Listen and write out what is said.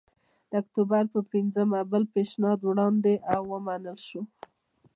د اکتوبر په پنځمه بل پېشنهاد وړاندې او ومنل شو